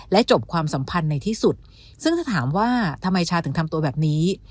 จบความสัมพันธ์ในที่สุดซึ่งถ้าถามว่าทำไมชาถึงทำตัวแบบนี้